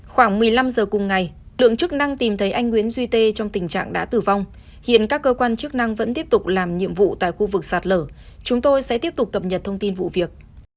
khoảng một mươi năm giờ cùng ngày lượng chức năng tìm thấy anh nguyễn duy tê trong tình trạng đã tử vong hiện các cơ quan chức năng vẫn tiếp tục làm nhiệm vụ tại khu vực sạt lở chúng tôi sẽ tiếp tục cập nhật thông tin vụ việc